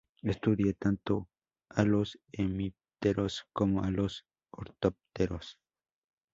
Estudia tanto a los hemípteros, como a los ortópteros.